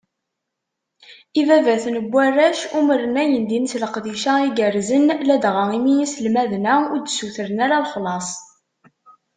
Ibabaten n warrac umren ayendin s leqdic-a igerrzen, ladɣa imi iselmaden-a ur d-ssutren ara lexlaṣ.